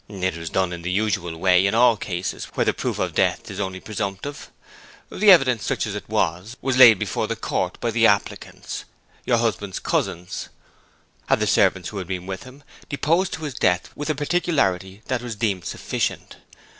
'It was done in the usual way in all cases where the proof of death is only presumptive. The evidence, such as it was, was laid before the court by the applicants, your husband's cousins; and the servants who had been with him deposed to his death with a particularity that was deemed sufficient.